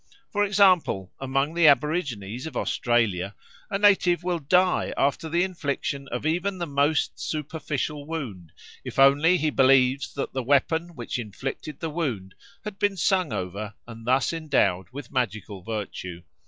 For example, among the aborigines of Australia a native will die after the infliction of even the most superficial wound, if only he believes that the weapon which inflicted the wound had been sung over and thus endowed with magical virtue.